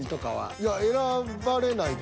いや選ばれないと。